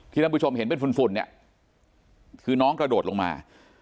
ท่านผู้ชมเห็นเป็นฝุ่นเนี่ยคือน้องกระโดดลงมา